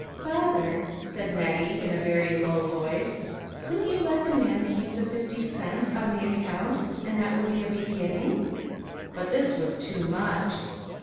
" Father," said Nettie, in a very low voice, " couldn't you let the man keep the fifty cents, on the account, and that would be a beginning ?" But this was too much.